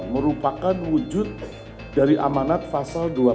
merupakan wujud dari amanat fasal dua puluh tiga d uud seribu sembilan ratus empat puluh lima